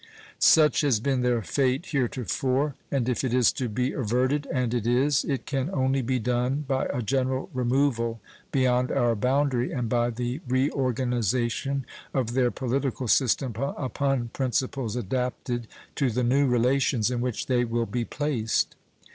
Such has been their fate heretofore, and if it is to be averted and it is it can only be done by a general removal beyond our boundary and by the reorganization of their political system upon principles adapted to the new relations in which they will be placed.